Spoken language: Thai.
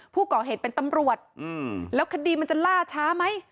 ผู้ก่อเหตุเป็นตำรวจแล้วคดีมันจะล่าช้าไหม